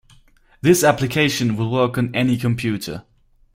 This application will work on any computer.